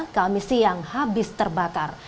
kamisi yang habis terbakar